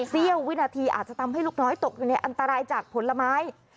เสี้ยววินาทีอาจจะทำให้ลูกน้อยตกอยู่ในอันตรายจากผลไม้